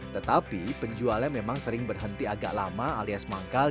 tetapi penjualnya memang sering berhenti agak lama alias manggal